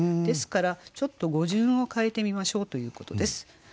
ですからちょっと語順を変えてみましょうということです。